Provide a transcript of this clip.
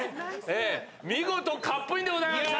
見事カップインでございました！